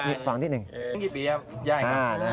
นี่ฟังนิดหนึ่ง